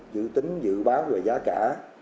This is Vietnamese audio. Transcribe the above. chữ tính dự báo về giá cả